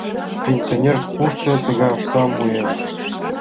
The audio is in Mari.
Пенсионер кушто тыгай оксам муэш?